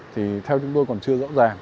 thì theo chúng tôi còn chưa rõ ràng